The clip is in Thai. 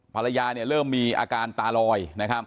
ภรรยาเริ่มมีอาการตาลอย